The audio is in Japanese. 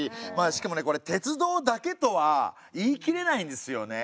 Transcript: しかもねこれ鉄道だけとは言い切れないんですよね。